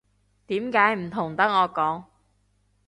點解唔同得我講